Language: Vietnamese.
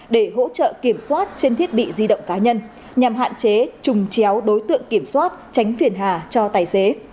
để hỗ trợ kiểm soát trên thiết bị di động cá nhân nhằm hạn chế trùng chéo đối tượng kiểm soát tránh phiền hà cho tài xế